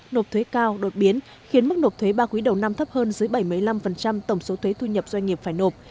nộp thuế cao đột biến khiến mức nộp thuế ba quý đầu năm thấp hơn dưới bảy mươi năm tổng số thuế thu nhập doanh nghiệp phải nộp